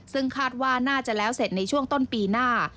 ซึ่งคาดว่าน่าจะแล้วเสร็จในช่วงต้นปีหน้า